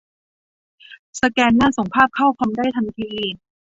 สแกนเนอร์ส่งภาพเข้าคอมได้ทันที